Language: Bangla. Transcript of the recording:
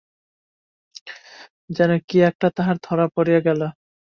যেন কী-একটা তাহার ধরা পড়িয়া গেল।